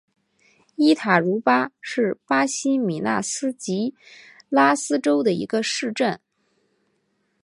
伊塔茹巴是巴西米纳斯吉拉斯州的一个市镇。